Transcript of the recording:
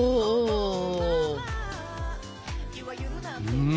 うん！